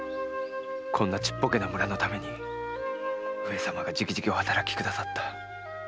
こんなちっぽけな村のために上様が直々お働きくださった。